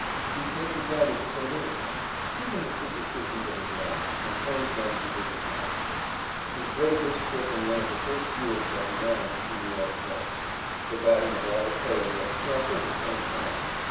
He takes advantage of the little things, even the superstitions of his men, and turns them to his account. He played this trick in one of the first years that he managed the New York club. The batting of all the players had slumped at the same time.